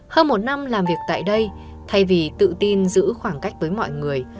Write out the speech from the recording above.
hơn một năm làm việc tại đây thay vì tự tin giữ khoảng cách với mọi người